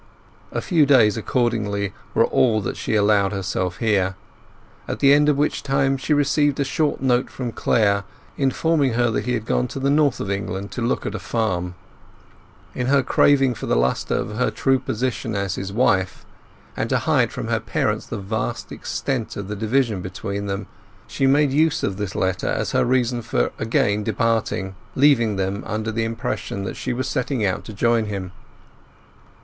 A few days, accordingly, were all that she allowed herself here, at the end of which time she received a short note from Clare, informing her that he had gone to the North of England to look at a farm. In her craving for the lustre of her true position as his wife, and to hide from her parents the vast extent of the division between them, she made use of this letter as her reason for again departing, leaving them under the impression that she was setting out to join him.